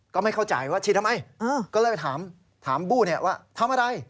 ก็ไม่เข้าใจว่าฉีดทำไมก็เลยไปถามบู้ว่าทำอะไร